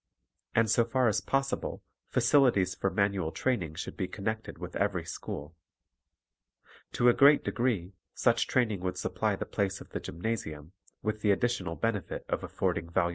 And, so far as possible, facilities for manual training should be connected with every school. To a great degree such training would supply the place of the gymnasium, with the additional benefit of affording valuable discipline.